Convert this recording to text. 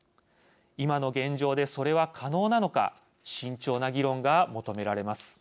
今の現状でそれは可能なのか慎重な議論が求められます。